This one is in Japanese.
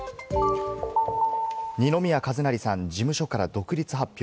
二宮和也さん、事務所から独立発表。